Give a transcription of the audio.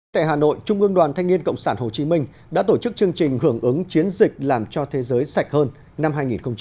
tại hà nội trung ương đoàn thanh niên cộng sản hồ chí minh đã tổ chức chương trình hưởng ứng chiến dịch làm cho thế giới sạch hơn năm hai nghìn hai mươi